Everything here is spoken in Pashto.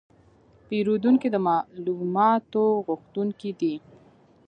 پیرودونکي د معلوماتو غوښتونکي دي.